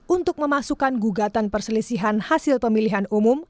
untuk memasukkan gugatan perselisihan hasil pemilihan umum